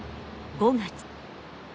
５月。